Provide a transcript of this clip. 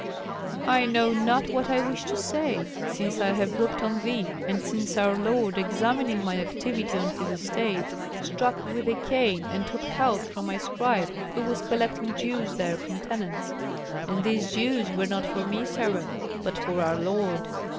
"I know not what I wish to say, since I have looked on thee, and since our lord, examining my activity on his estates, struck with a cane and took health from my scribe who was collecting dues there from tenants. And these dues were not for me. Sarah, but for our lord.